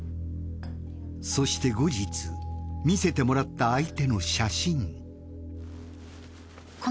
そして後日見せてもらった相手の写真。